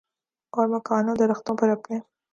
اور مکانوں درختوں پر اپنے